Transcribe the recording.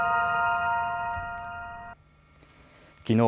きのう